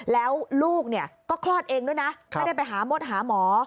แล้วลูกเนี่ยก็คลอดเองด้วยนะไม่ได้ไปหามดหาหมอ